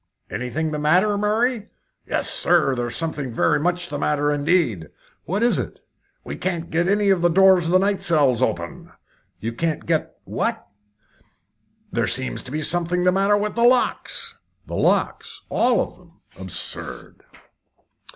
"Anything the matter, Murray?" "Yes, sir; there's something very much the matter, indeed." "What is it?" "We can't get any of the doors of the night cells open." "You can't get what?" "There seems to be something the matter with the locks." "The locks? All of them? Absurd!"